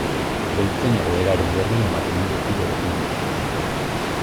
Beltzen egoeraren berri ematen du beti bere filmetan.